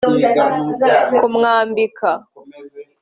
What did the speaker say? kumwambika